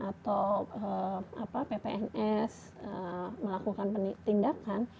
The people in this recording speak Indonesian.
atau ppns melakukan tindakan